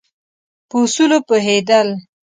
په اصولو پوهېدل.